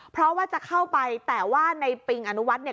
เพราะว่าจะเข้าไปแต่ว่าในปริงอนุวัติ